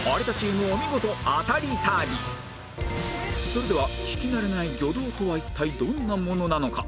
それでは聞き慣れない魚道とは一体どんなものなのか？